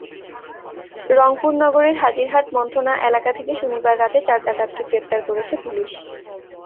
রংপুর নগরের হাজিরহাট মন্থনা এলাকা থেকে শনিবার রাতে চার ডাকাতকে গ্রেপ্তার করেছে পুলিশ।